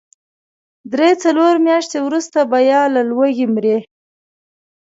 درې، څلور مياشتې وروسته به يا له لوږې مري.